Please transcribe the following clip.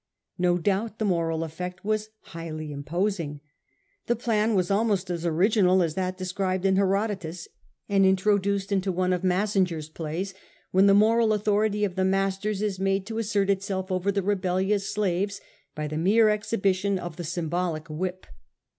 No doubt the moral effect was highly imposing. The plan was almost as ori ginal as that described in Herodotus and introduced into one of Massinger's plays, when the moral au thority of the masters is made to assert itself over the rebellious slaves by the mere exhibition of the symbolic whip.